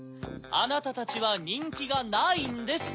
あなたたちはにんきがないんです。